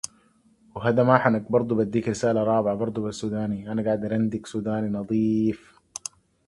Like many of her other pieces, "Offertorium" contains religious elements.